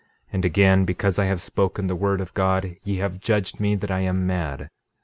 And again, because I have spoken the word of God ye have judged me that I am mad.